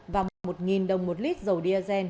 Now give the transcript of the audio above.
và một đồng một lít dầu diesel